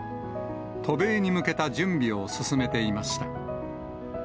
渡米に向けた準備を進めていました。